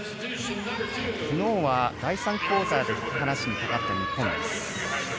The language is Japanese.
昨日は第３クオーターで引き離しにかかった日本です。